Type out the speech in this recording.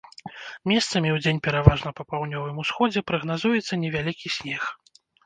Месцамі, удзень пераважна па паўднёвым усходзе, прагназуецца невялікі снег.